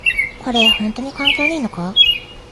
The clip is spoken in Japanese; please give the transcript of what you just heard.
これ、ほんとに環境にいいのか？